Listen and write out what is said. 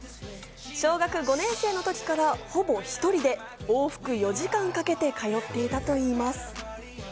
小学５年生の時からほぼ１人で往復４時間かけて通っていたといいます。